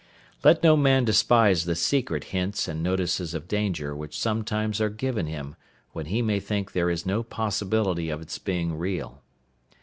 Let no man despise the secret hints and notices of danger which sometimes are given him when he may think there is no possibility of its being real.